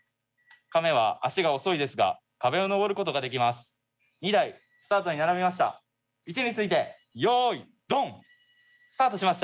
カメは足が遅いですが壁を登ることができます。